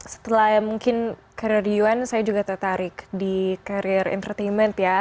setelah mungkin karir di un saya juga tertarik di karir infotainment ya